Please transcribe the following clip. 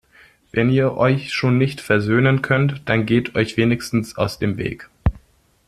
Wenn ihr euch schon nicht versöhnen könnt, dann geht euch wenigstens aus dem Weg!